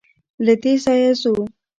له دې ځايه ځو.